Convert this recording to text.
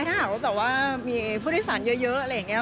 ถ้าหากว่าแบบว่ามีผู้โดยสารเยอะอะไรอย่างนี้